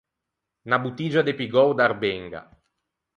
Unna bottiggia de Pigou d’Arbenga.